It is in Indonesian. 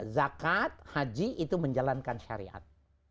zakat haji itu menjalankan syariat